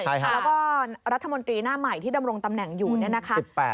แล้วก็รัฐมนตรีหน้าใหม่ที่ดำรงตำแหน่งอยู่เนี่ยนะคะ